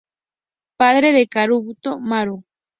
Padre de Kabuto-Maru.